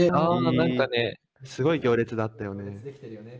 あ何かねすごい行列だったよね。